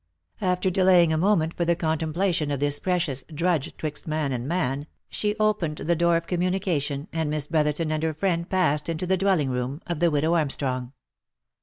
After delaying a moment for the contemplation of this precious " drudge 'twixt man and man," she opened the door of communication, and Miss Brotherton and her friend passed into the dwelling room of the widow Armstrong.